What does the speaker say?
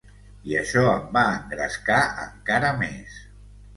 I això em va engrescar encara més.